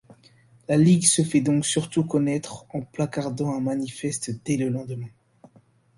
La ligue se fait donc surtout connaître en placardant un manifeste dès le lendemain.